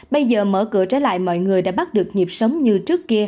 bây giờ mở cửa trở lại mọi người đã bắt được nhịp sống như trước kia